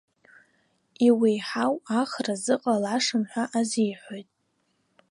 Иуеиҳау ахра зыҟалашам ҳәа азиҳәоит.